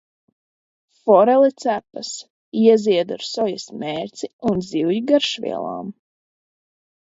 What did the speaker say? Forele cepas, ieziedu ar sojas mērci un zivju garšvielām.